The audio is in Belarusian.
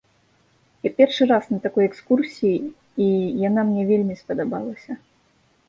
Я першы раз на такой экскурсіі, і яна мне вельмі спадабалася.